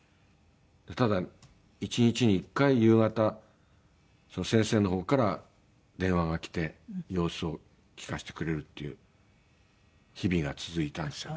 ただ１日に１回夕方先生の方から電話がきて様子を聞かせてくれるっていう日々が続いたんですよね。